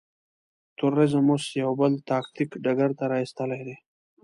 تروريزم اوس يو بل تاکتيک ډګر ته را اېستلی دی.